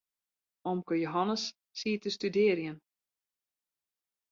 Omke Jehannes siet te studearjen.